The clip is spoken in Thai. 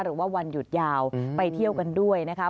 วันหยุดยาวไปเที่ยวกันด้วยนะคะ